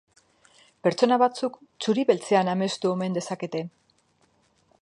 Pertsona batzuk txuri beltzean amestu omen dezakete.